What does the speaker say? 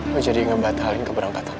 lu jadi ngebatalin keberangkatan lu